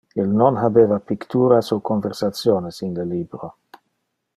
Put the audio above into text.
Il non habeva picturas o conversationes in le libro.